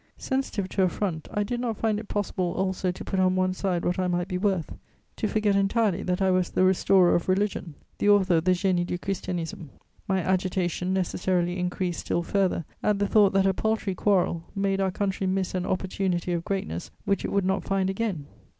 Sensitive to affront, I did not find it possible also to put on one side what I might be worth, to forget entirely that I was the restorer of religion, the author of the Génie du Christianisme. My agitation necessarily increased still further at the thought that a paltry quarrel made our country miss an opportunity of greatness which it would not find again.